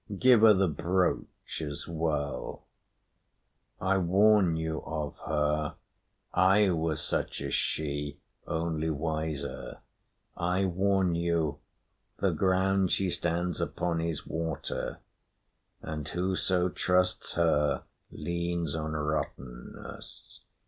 Give her the brooch as well. I warn you of her; I was such as she, only wiser; I warn you, the ground she stands upon is water, and whoso trusts her leans on rottenness.